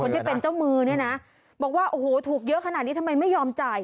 ที่เป็นเจ้ามือเนี่ยนะบอกว่าโอ้โหถูกเยอะขนาดนี้ทำไมไม่ยอมจ่าย